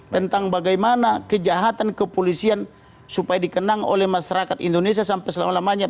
tentang bagaimana kejahatan kepolisian supaya dikenang oleh masyarakat indonesia sampai selama lamanya